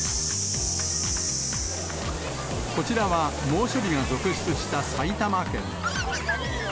こちらは猛暑日が続出した埼玉県。